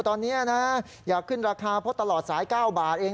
ตอนนี้นะอยากขึ้นราคาเพราะตลอดสาย๙บาทเอง